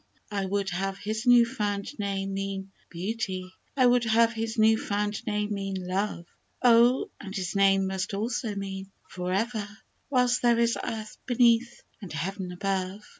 I would have his new found name mean " Beauty^'* And I would have his new found name mean ^^ Love^^ Oh ! and his name must also mean " For ever,'' Whilst there is Earth beneath and Heav'n above